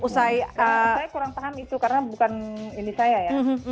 saya kurang paham itu karena bukan ini saya ya